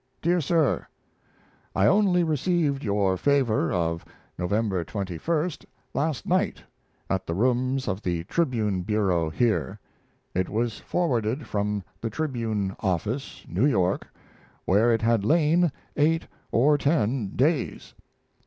DEAR SIR, I only received your favor of November 21st last night, at the rooms of the Tribune Bureau here. It was forwarded from the Tribune office, New York where it had lain eight or ten days.